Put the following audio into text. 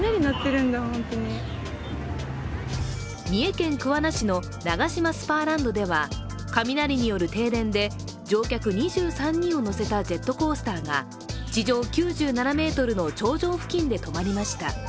三重県桑名市のナガシマスパーランドでは雷による停電で乗客２３人を乗せたジェットコースターが地上９７ｍの頂上付近で止まりました。